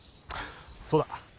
そうだ。